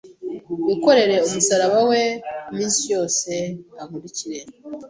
yikorere umusaraba we iminsi yose ankurikire”